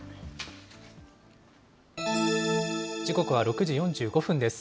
時刻は６時４５分です。